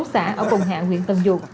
một số xã ở cùng hạ nguyễn tân duộc